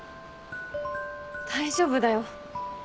大丈夫だよ。